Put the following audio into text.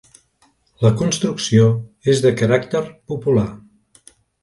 La construcció és de caràcter popular.